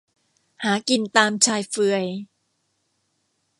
หากินตามชายเฟือย